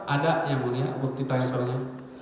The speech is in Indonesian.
ada ya mulia bukti tansornya